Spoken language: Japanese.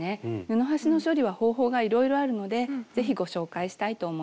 布端の処理は方法がいろいろあるのでぜひご紹介したいと思います。